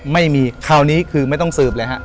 ไม่มีคราวนี้คือไม่ต้องสืบเลยฮะ